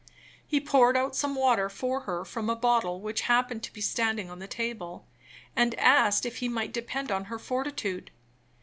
He poured out some water for her from a bottle which happened to be standing on the table, and asked if he might depend on her fortitude.